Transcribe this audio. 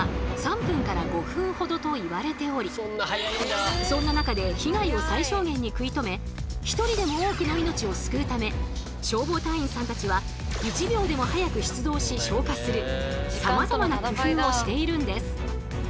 火災現場ではそんな中で被害を最小限に食い止め一人でも多くの命を救うため消防隊員さんたちは１秒でも早く出動し消火するさまざまな工夫をしているんです。